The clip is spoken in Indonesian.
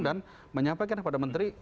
dan menyampaikan kepada menteri